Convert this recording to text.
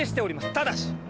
ただし！